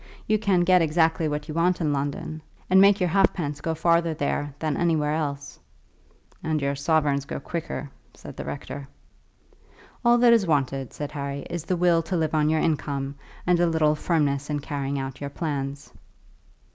You can get exactly what you want in London, and make your halfpence go farther there than anywhere else." "And your sovereigns go quicker," said the rector. "All that is wanted," said Harry, "is the will to live on your income, and a little firmness in carrying out your plans."